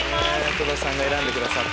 戸田さんが選んでくださって。